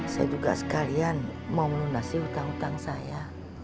saya juga sekalian mau melunasi hutang hutang saya